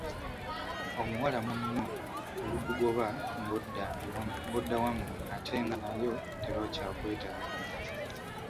Omuwala munno olukugoba ng'odda wammwe ate nga nayo tebakyakwetaaga!